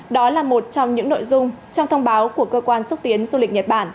đó là một trong những nội dung trong thông báo của cơ quan xúc tiến du lịch nhật bản